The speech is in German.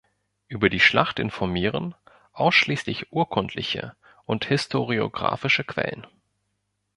Über die Schlacht informieren ausschließlich urkundliche und historiographische Quellen.